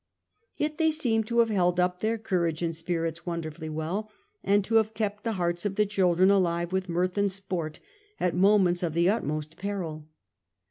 Yet they seem to have held up their courage and spirits wonderfully well, and to have kept the hearts of the children alive with mirth and sport at moments of the utmost peril.